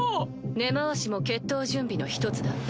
根回しも決闘準備の一つだ。